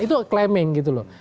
itu acclaiming gitu loh